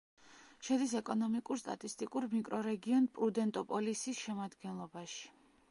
შედის ეკონომიკურ-სტატისტიკურ მიკრორეგიონ პრუდენტოპოლისის შემადგენლობაში.